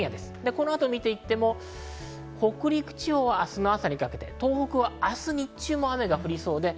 この後を見ていても、北陸地方は明日の朝にかけて東北は明日日中も雨が降りそうです。